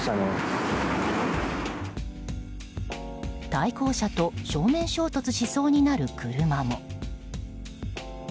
対向車と正面衝突しそうになる車も。